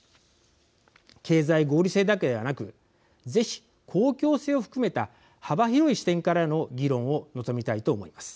経済合理性だけではなくぜひ公共性を含めた幅広い視点からの議論を望みたいと思います。